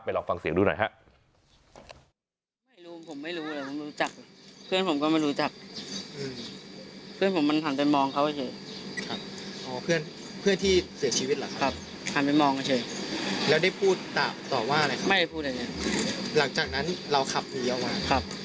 ลองฟังเสียงดูหน่อยครับ